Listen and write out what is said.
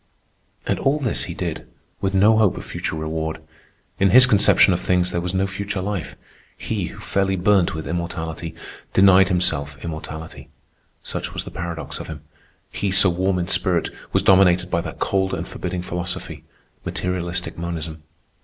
And all this he did with no hope of future reward. In his conception of things there was no future life. He, who fairly burnt with immortality, denied himself immortality—such was the paradox of him. He, so warm in spirit, was dominated by that cold and forbidding philosophy, materialistic monism.